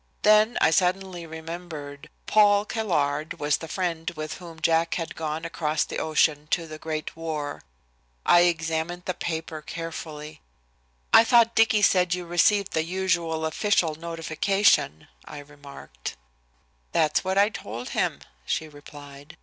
Then I suddenly remembered. Paul Caillard was the friend with whom Jack had gone across the ocean to the Great War. I examined the paper carefully. "I thought Dicky said you received the usual official notification," I remarked. "That's what I told him," she replied.